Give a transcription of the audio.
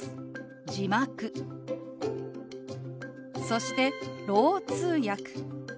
そして「ろう通訳」。